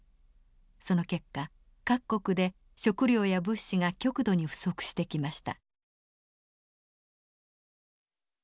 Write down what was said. その結果各国で食糧や物資が極度に不足してきました。